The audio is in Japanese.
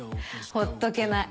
ほっとけない。